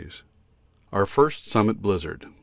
Our first summit blizzard.